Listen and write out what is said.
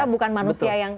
kita bukan manusia yang